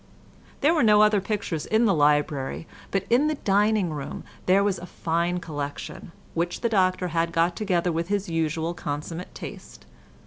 There were no other pictures in the library, but in the dining room there was a fine collection, which the doctor had got together with his usual consummate taste.